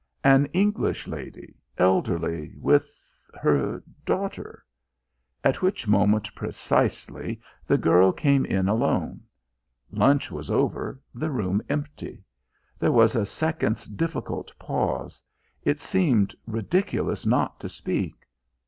"An English lady, elderly, with her daughter " at which moment precisely the girl came in alone. Lunch was over, the room empty. There was a second's difficult pause. It seemed ridiculous not to speak.